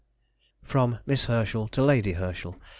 FROM MISS HERSCHEL TO LADY HERSCHEL.